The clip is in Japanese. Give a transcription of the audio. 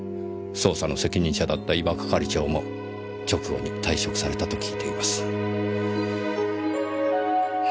捜査の責任者だった伊庭係長も直後に退職されたと聞いています。